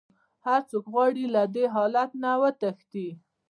هر څوک غواړي له دې حالت نه وتښتي.